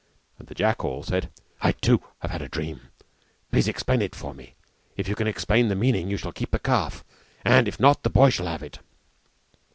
And the jackal said, "I too have had a dream, please explain it for me. If you can explain the meaning you shall keep the calf and, if not, the boy shall have it."